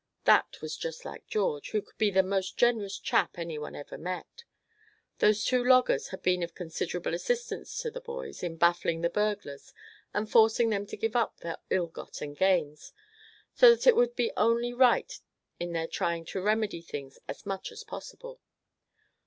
That was just like George, who could be the most generous chap any one ever met. Those two loggers had been of considerable assistance to the boys in baffling the burglars and forcing them to give up their ill gotten gains; so that it would be only right in their trying to remedy things as much as possible.